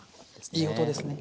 いい音ですね。